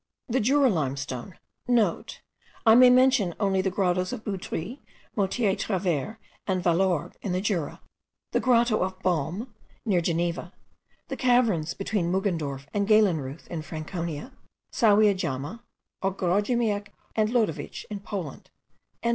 The Jura limestone* (* I may mention only the grottoes of Boudry, Motiers Travers, and Valorbe, in the Jura; the grotto of Balme near Geneva; the caverns between Muggendorf and Gaylenreuth in Franconia; Sowia Jama, Ogrodzimiec, and Wlodowice, in Poland.)